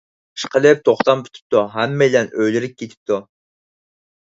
ئىشقىلىپ توختام پۈتۈپتۇ، ھەممەيلەن ئۆيلىرىگە كېتىپتۇ.